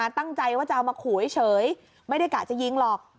ตั้งใจว่าจะเอามาขู่เฉยไม่ได้กะจะยิงหรอก